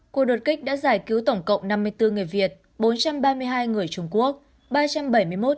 cuộc đột kích đã giải cứu tổng cộng năm mươi bốn người việt bốn trăm ba mươi hai người trung quốc